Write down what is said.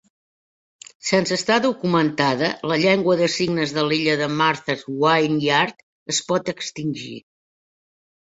Sense estar documentada, la llengua de signes de l'illa de Martha's Vineyard es pot extingir.